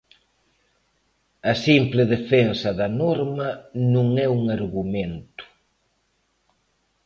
A simple defensa da norma non é un argumento.